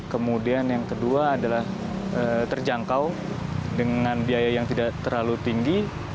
kemudian yang kedua adalah terjangkau dengan biaya yang tidak terlalu tinggi